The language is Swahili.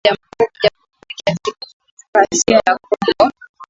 Jamhuri ya kidemokrasia ya Kongo